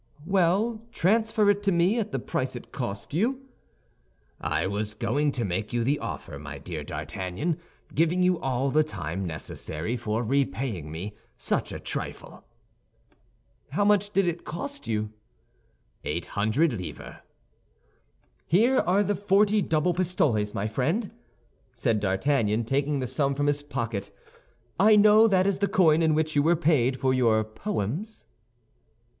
"Well, transfer it to me at the price it cost you?" "I was going to make you the offer, my dear D'Artagnan, giving you all the time necessary for repaying me such a trifle." "How much did it cost you?" "Eight hundred livres." "Here are forty double pistoles, my dear friend," said D'Artagnan, taking the sum from his pocket; "I know that is the coin in which you were paid for your poems."